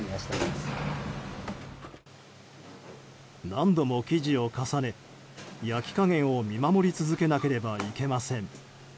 何度も生地を重ね、焼き加減を見守り続けなければいけません。